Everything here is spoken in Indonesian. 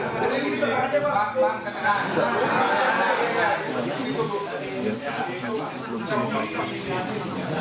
durasi tidak kedua tiga ratus lima puluh ak frost ini jadi di lingkungan dari anda